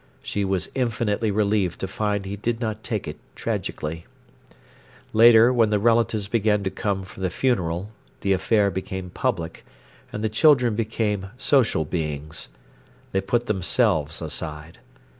She was infinitely relieved to find he did not take it tragically. Later, when the relatives began to come for the funeral, the affair became public, and the children became social beings. They put themselves aside.